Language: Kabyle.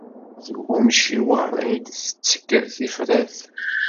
Seg wemciweṛ ay d-tettekk tifrat.